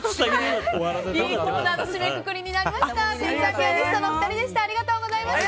いいコーナーの締めくくりになりました。